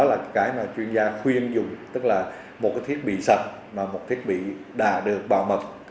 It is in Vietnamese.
đó là cái mà chuyên gia khuyên dụng tức là một cái thiết bị sạch mà một thiết bị đã được bảo mật